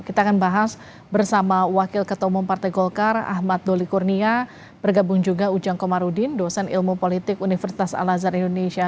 kita akan bahas bersama wakil ketua umum partai golkar ahmad doli kurnia bergabung juga ujang komarudin dosen ilmu politik universitas al azhar indonesia